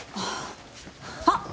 ああ。